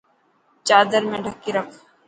چادر ۾ ڌڪي رک.